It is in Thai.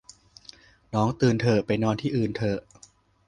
น้อง ตื่น เถอะ ไป นอน ที่ อื่น เถอะ